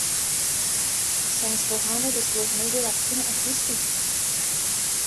ساینس پوهانو د سپوږمۍ ډېر عکسونه اخیستي دي.